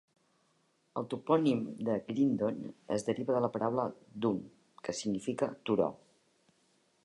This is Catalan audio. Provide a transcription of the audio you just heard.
El topònim de "Grindon" es deriva de la paraula "dun", que significa turó.